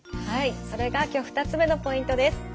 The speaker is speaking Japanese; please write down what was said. はいそれが今日２つ目のポイントです。